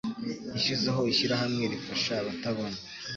Yashizeho ishyirahamwe rifasha abatabona.